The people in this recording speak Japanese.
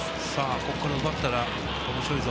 ここから奪ったら面白いぞ。